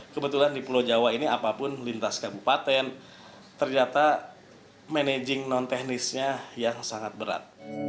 kebetulan di pulau jawa ini apapun lintas kabupaten ternyata managing non teknisnya yang sangat berat